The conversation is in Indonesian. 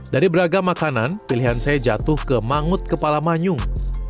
dari beragam makanan pilihan saya jatuh ke mangut kepala manyung